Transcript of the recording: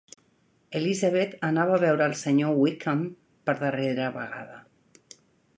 Elizabeth anava a veure el Sr. Wickham per darrera vegada.